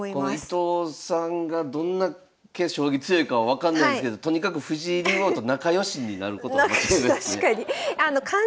この伊藤さんがどんなけ将棋強いかは分かんないですけどとにかく藤井竜王と仲良しになることは間違いないですね。